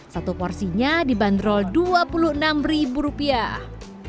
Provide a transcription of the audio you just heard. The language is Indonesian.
satu porsinya dibanderol dua puluh enam ribu rupiah